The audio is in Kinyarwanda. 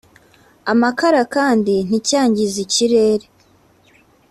amakara kandi nticyangize ikirere